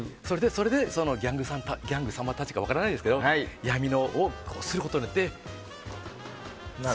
それでギャング様たちか分からないですけど闇で売って。